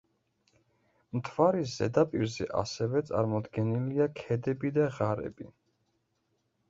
მთვარის ზედაპირზე ასევე წარმოდგენილია ქედები და ღარები.